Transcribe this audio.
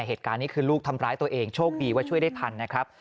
เหตุการณ์นี้คือลูกทำร้ายตัวเองโชคดีว่าช่วยได้ทันนะครับ